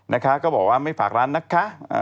นะคะก็บอกว่าไม่ฝากร้านนะคะ